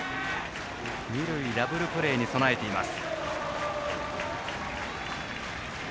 ダブルプレーに備えています。